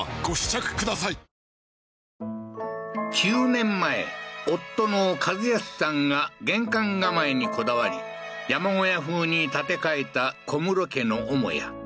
９年前、夫の一康さんが玄関構えにこだわり、山小屋風に建て替えた小室家の母屋。